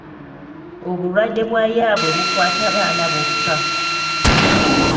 Obulwadde bwa yaabwe bukwata baana bokka.